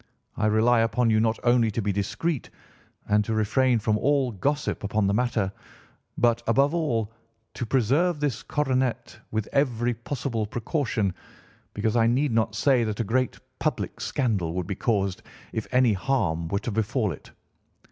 I rely upon you not only to be discreet and to refrain from all gossip upon the matter but, above all, to preserve this coronet with every possible precaution because I need not say that a great public scandal would be caused if any harm were to befall it.